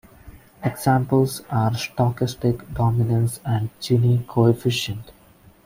Examples are stochastic dominance and Gini coefficient.